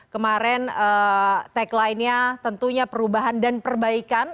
kemarin tagline nya tentunya perubahan dan perbaikan